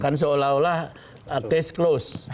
kan seolah olah case close